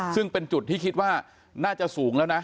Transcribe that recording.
ซึ่งเป็นจุดที่คิดว่าน่าจะสูงแล้วนะ